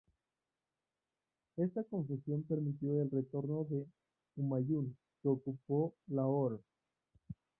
Esta confusión permitió el retorno de Humayun que ocupó Lahore.